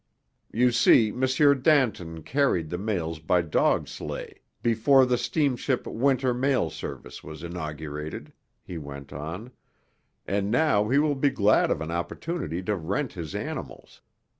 "You see, M. Danton carried the mails by dog sleigh before the steamship winter mail service was inaugurated," he went on, "and now he will be glad of an opportunity to rent his animals.